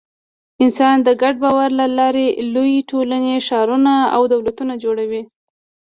انسانان د ګډ باور له لارې لویې ټولنې، ښارونه او دولتونه جوړوي.